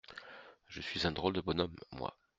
Je suis un drôle de bonhomme, moi !…